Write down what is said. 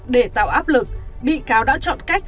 để tạo áp lực bị cáo đã chọn cách